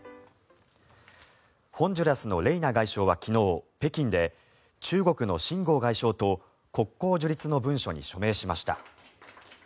ホンジュラスのレイナ外相は昨日、北京で中国の秦剛外相と国交樹立の文書に署名しました。